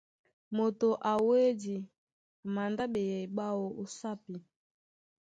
Moto a wedí a mandá ɓeyɛy ɓáō ó sápi.